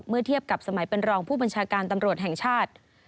เทียบกับสมัยเป็นรองผู้บัญชาการตำรวจแห่งชาติ